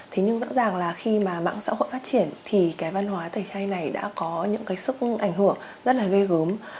thế nhưng rõ ràng là khi mà mạng xã hội phát triển thì cái văn hóa tẩy chay này đã có những cái sức ảnh hưởng rất là ghê gớm